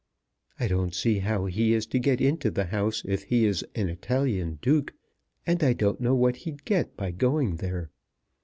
I don't see how he is to get into the House if he is an Italian Duke, and I don't know what he'd get by going there.